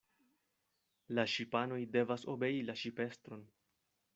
La ŝipanoj devas obei la ŝipestron.